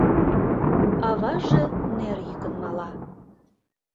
Аваже нер йӱкын мала.